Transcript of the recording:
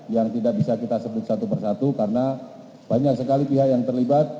yang tidak bisa kita sebut satu persatu karena banyak sekali pihak yang terlibat